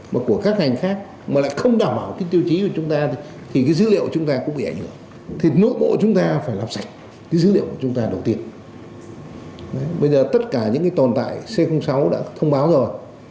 bây giờ tất cả những cái tồn tại c sáu đã thông báo rồi